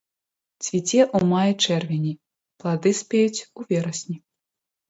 Цвіце ў маі-чэрвені, плады спеюць у верасні.